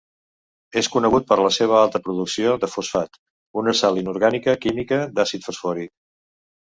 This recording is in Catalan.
És conegut per la seva alta producció de fosfat, una sal inorgànica química d'àcid fosfòric.